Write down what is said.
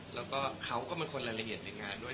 แล้วก็เขาก็เป็นคนรายละเอียดในงานด้วย